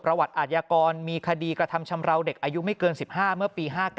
ประวัติอาทยากรมีคดีกระทำชำราวเด็กอายุไม่เกิน๑๕เมื่อปี๕๙